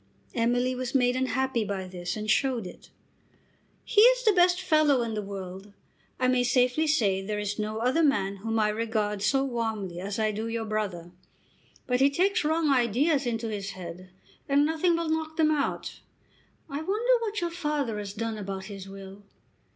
Emily was made unhappy by this and showed it. "He is the best fellow in the world. I may safely say there is no other man whom I regard so warmly as I do your brother. But he takes wrong ideas into his head, and nothing will knock them out. I wonder what your father has done about his will."